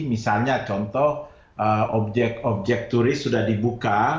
misalnya contoh objek objek turis sudah dibuka